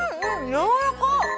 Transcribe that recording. やわらか。